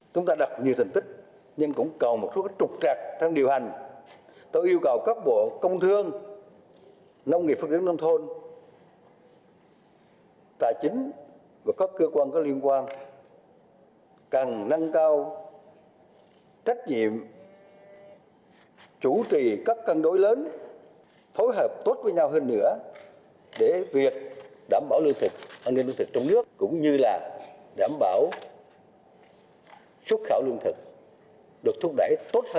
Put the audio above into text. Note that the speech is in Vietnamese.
cũng như là đảm bảo xuất khẩu lương thực được thúc đẩy tốt hơn thuận lợi hơn trong thời gian đấy